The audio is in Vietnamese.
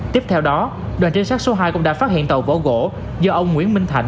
tiếp theo đó đoàn trinh sát số hai cũng đã phát hiện tàu vỏ gỗ do ông nguyễn minh thành